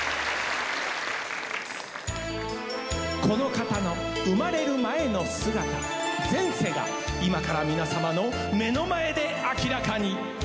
この方の生まれる前の姿前世が今から皆様の目の前で明らかに。